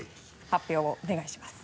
発表をお願いします。